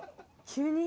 「急に？」